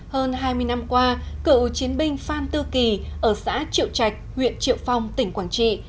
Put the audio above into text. hơn hai mươi năm qua cựu chiến binh phan tư kỳ ở xã triệu trạch huyện triệu phong tỉnh quảng trị